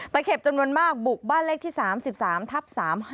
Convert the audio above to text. เข็บจำนวนมากบุกบ้านเลขที่๓๓ทับ๓๕